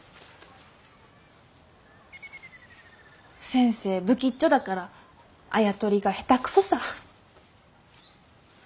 先生ぶきっちょだからあや取りが下手くそさ。